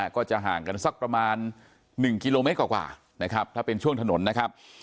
ก็จะห่างกันสักประมาณ๑กิโลเมตรกว่านะครับถ้าเป็นช่วงถนนนะครับ